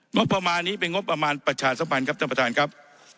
งบประมาณนี้เป็นประชาลสมันครับท่านประธานครับ